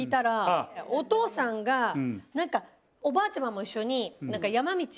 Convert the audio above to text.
お父さんが何かおばあちゃまも一緒に。